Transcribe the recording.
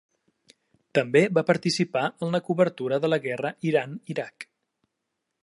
També va participar en la cobertura de la guerra Iran-Iraq.